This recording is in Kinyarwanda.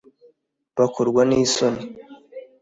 Bakorwa n isoni